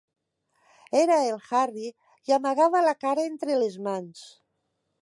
Era el Harry i amagava la cara entre les mans.